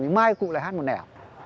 nhưng mai cụ lại hát một nẻo